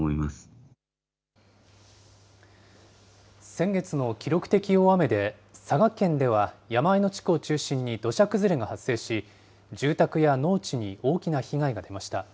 先月の記録的大雨で、佐賀県では山あいの地区を中心に土砂崩れが発生し、住宅や農地に大きな被害が出ました。